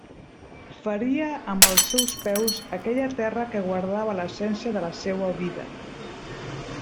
Feria amb els seus peus aquella terra que guardava l'essència de la seua vida.